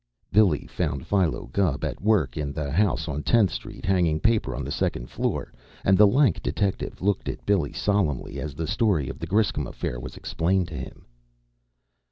Billy found Philo Gubb at work in the house on Tenth Street, hanging paper on the second floor, and the lank detective looked at Billy solemnly as the story of the Griscom affair was explained to him.